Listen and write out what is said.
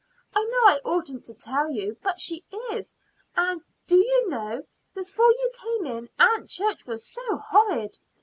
I know I oughtn't to tell you, but she is. And, do you know, before you came in Aunt Church was so horrid.